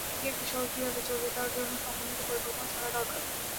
অন্যদিকে একটি শহর কীভাবে চলবে, তার জন্য সমন্বিত পরিকল্পনা থাকা দরকার।